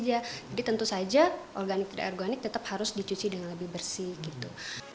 jadi tentu saja organik dan ergonik tetap harus dicuci dengan lebih bersih gitu